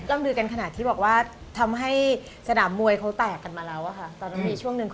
ต้องดูกันขณะที่บอกว่าทำให้สนามมวยเขาแตก